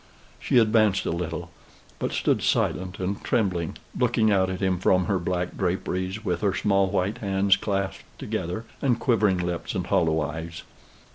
She advanced a little, but stood silent and trembling, looking out at him from her black draperies, with her small white hands clasped together, and quivering lips and hollow eyes.